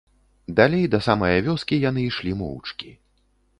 Далей, да самае вёскі, яны ішлі моўчкі.